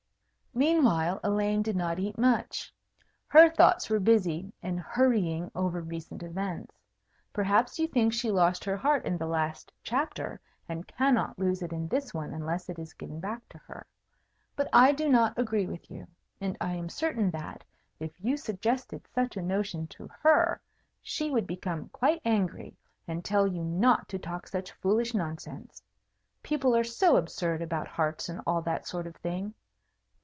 Meanwhile, Elaine did not eat much. Her thoughts were busy, and hurrying over recent events. Perhaps you think she lost her heart in the last Chapter, and cannot lose it in this one unless it is given back to her. But I do not agree with you; and I am certain that, if you suggested such a notion to her, she would become quite angry, and tell you not to talk such foolish nonsense. People are so absurd about hearts, and all that sort of thing!